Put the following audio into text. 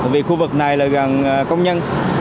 vì khu vực này gần công nhân